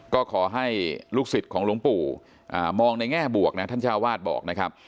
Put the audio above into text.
ก็ขอให้ลูกศิษย์ของหลวงปู่มองในแง่บวกนะท่านเจ้าวาดบอกนะครับ